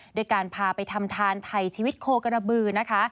โดยการพาไปทำทานไทยชีวิตโคกระบือนะคะ